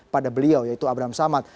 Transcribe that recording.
pada beliau yaitu abraham samad